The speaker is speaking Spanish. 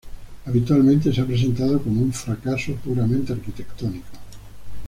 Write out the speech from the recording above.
Habitualmente se ha presentado como un fracaso puramente arquitectónico.